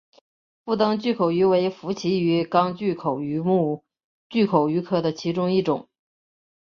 腹灯巨口鱼为辐鳍鱼纲巨口鱼目巨口鱼科的其中一种。